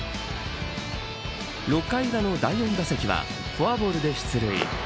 ６回裏の第４打席はフォアボールで出塁。